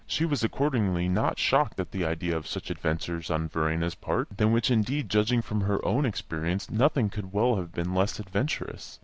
She was accordingly not shocked at the idea of such adventures on Verena's part; than which, indeed, judging from her own experience, nothing could well have been less adventurous.